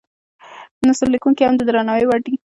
نثر لیکونکي هم د درناوي وړ دي.